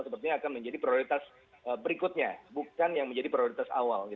sepertinya akan menjadi prioritas berikutnya bukan yang menjadi prioritas awal